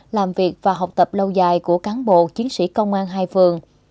làm việc và học tập lâu dài của cán bộ chiến sĩ công an hai phường